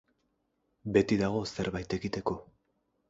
Beti dago zerbait egiteko.